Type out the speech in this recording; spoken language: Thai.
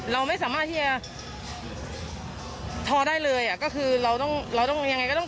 เราไม่สามารถที่จะทอได้เลยอ่ะก็คือเราต้องเราต้องยังไงก็ต้อง